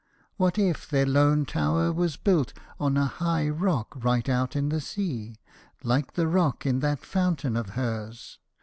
What if their lone tower was built on a high rock right out in the sea. Like the rock in that fountain of hers